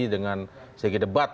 dengan segi debat